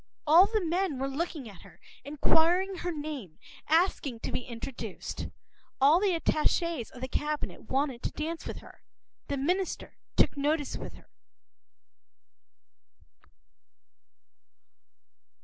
All the men were looking at her, inquiring her name, asking to be introduced. All the attaches of the Cabinet wanted to dance with her. The Minister took notice of her.